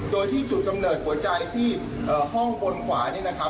โดยที่จุดกำเนิดหัวใจที่ห้องบนขวานี่นะครับ